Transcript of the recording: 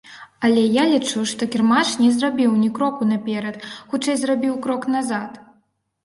Але я лічу, што кірмаш не зрабіў ні кроку наперад, хутчэй, зрабіў крок назад.